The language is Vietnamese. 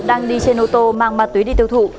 đang đi trên ô tô mang ma túy đi tiêu thụ